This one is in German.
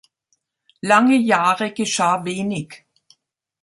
Lange Jahre geschah wenig.